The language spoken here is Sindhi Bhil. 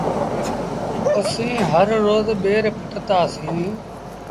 اسيٚݩ هر روز ٻير پٽتآ سيٚݩ۔